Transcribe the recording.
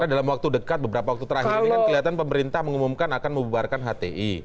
karena dalam waktu dekat beberapa waktu terakhir ini kan kelihatan pemerintah mengumumkan akan membubarkan hte